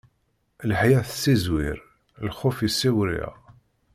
Leḥya tessizwiɣ, lxuf issiwṛiɣ.